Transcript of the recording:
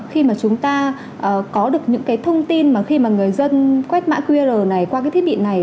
khi mà chúng ta có được những cái thông tin mà khi mà người dân quét mã qr này qua cái thiết bị này